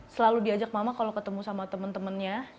selalu diajak mama kalau ketemu sama temen temennya